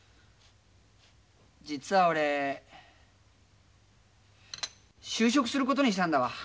実は俺就職することにしたんだわ。